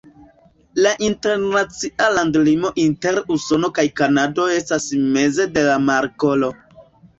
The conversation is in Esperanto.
La internacia landlimo inter Usono kaj Kanado estas meze de la markolo.